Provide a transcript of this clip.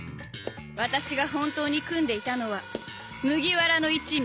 私が本当に組んでいたのは麦わらの一味。